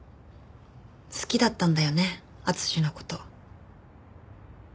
好きだったんだよね敦の事。